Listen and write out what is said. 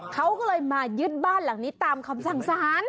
เขาก็เลยมายึดบ้านหลังนี้ตามคำสั่งสาร